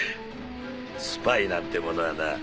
スパイなんてものはな